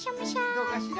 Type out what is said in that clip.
「どうかしら？」。